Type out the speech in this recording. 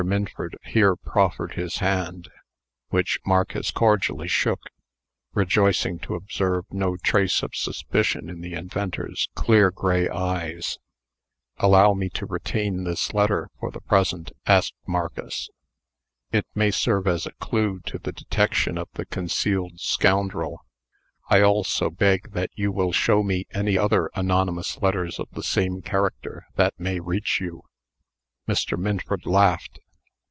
Minford here proffered his hand, which Marcus cordially shook, rejoicing to observe no trace of suspicion in the inventor's clear gray eyes. "Allow me to retain this letter for the present," asked Marcus. "It may serve as a clue to the detection of the concealed scoundrel. I also beg that you will show me any other anonymous letters of the same character that may reach you." Mr. Minford laughed.